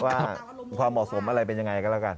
ว่าความเหมาะสมอะไรเป็นยังไงก็แล้วกัน